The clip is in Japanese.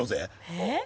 えっ？